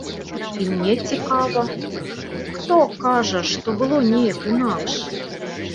І мне цікава, хто кажа, што было неяк інакш?